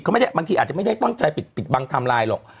ไม่ได้บางทีอาจจะไม่ได้ตั้งใจปิดบังไทม์ไลน์หรอก